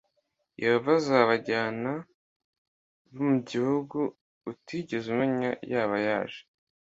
yehova azabajyana b mu gihugu utigeze umenya yaba yaje